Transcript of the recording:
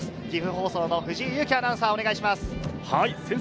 岐阜放送の藤井裕生アナウンサー、お願いします。